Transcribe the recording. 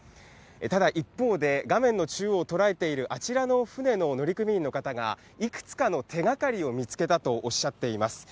ただ、一方で、画面の中央捉えているあちらの船の乗組員の方が、いくつかの手がかりを見つけたとおっしゃっています。